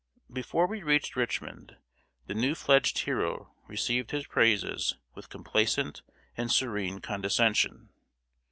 Before we reached Richmond, the new fledged hero received his praises with complacent and serene condescension.